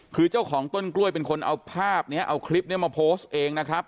คือเจ้าของต้นกล้วยเป็นคนเอาภาพนี้เอาคลิปนี้มาโพสต์เองนะครับ